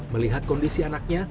melihat kondisi anaknya